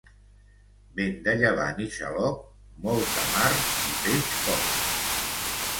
Vent de llevant i xaloc, molta mar i peix poc.